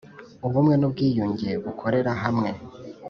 Ubumwe n’ ubwiyunge bukorera hamwe.